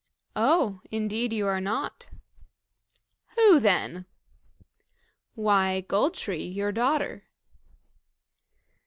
"Oh! indeed you are not." "Who then?" "Why, Gold tree, your daughter."